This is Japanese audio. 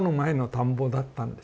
田んぼだったんで。